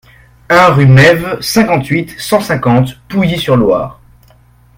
un rue Mesves, cinquante-huit, cent cinquante, Pouilly-sur-Loire